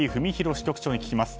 支局長にお聞きします。